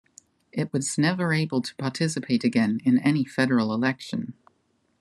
It was never able to participate again in any federal election.